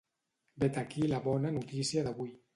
Vet aquí la bona notícia d’avui.